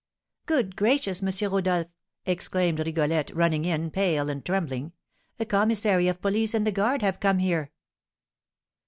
"Good gracious! M. Rodolph," exclaimed Rigolette, running in, pale and trembling, "a commissary of police and the guard have come here."